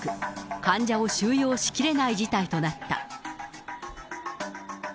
患者を収容しきれない事態となった。